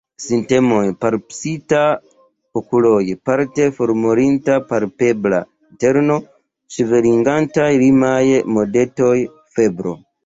Simptomoj:Pulsitaj okuloj, parte formortinta palpebra interno, ŝveliĝantaj limfaj nodetoj, febro.